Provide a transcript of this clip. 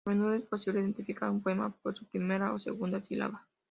A menudo es posible identificar un poema por su primera o segunda sílaba.